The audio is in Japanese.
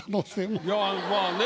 いやまあね